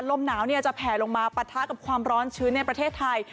ลมหนาวจะแผลลงมาปะทะกับความร้อนชื้นในประเทศไทย